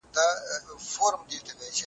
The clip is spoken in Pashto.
شرارتکوونکی شخص وو، چي په هيواد کي یې یو